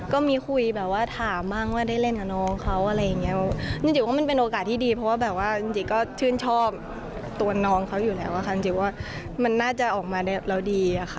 ก็มีคุยแบบว่าถามบ้างว่าได้เล่นกับน้องเขาอะไรอย่างเงี้ยจริงว่ามันเป็นโอกาสที่ดีเพราะว่าแบบว่าจริงก็ชื่นชอบตัวน้องเขาอยู่แล้วอะค่ะจริงว่ามันน่าจะออกมาเราดีอะค่ะ